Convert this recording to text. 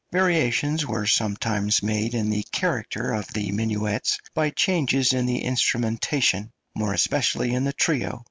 Variations were sometimes made in the character of the minuets by changes in the instrumentation, more especially in the trio.